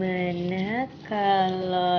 ina aku tau kok